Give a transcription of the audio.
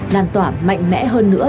làn tỏa mạnh mẽ hơn nữa